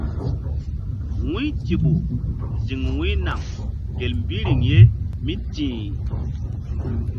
Wu̧y Tiɓu ziŋ Wu̧ynaŋ gel mbí riŋ ye mí ti̧h.